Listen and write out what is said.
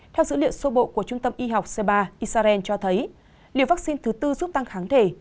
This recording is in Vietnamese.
theo dữ liệu sơ bộ của trung tâm y học c ba israel cho thấy liều vaccine thứ tư giúp tăng kháng thể